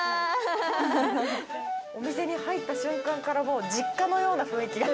お店に入った瞬間からもう実家のような雰囲気が。